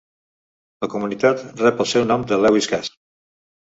La comunitat rep el seu nom de Lewis Cass.